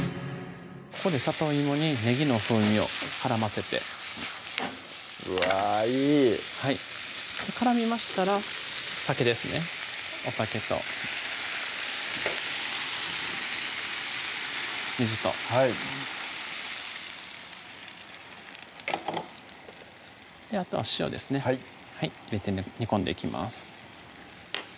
ここでさといもにねぎの風味を絡ませてうわいい絡みましたら酒ですねお酒と水とはいあとは塩ですね入れて煮込んでいきます